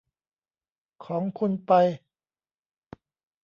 ของคุณไป